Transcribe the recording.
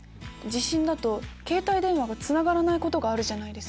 地震だと携帯電話がつながらないことがあるじゃないですか。